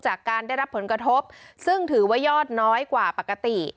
จากการได้รับผลกระทบซึ่งถือว่ายอดน้อยกว่าปกติ